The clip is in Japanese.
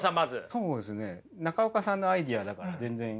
そうですね中岡さんのアイデアだから全然いいと思います。